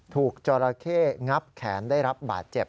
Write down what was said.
ถูกจอราเคงับแขนได้รับบาดเจ็บ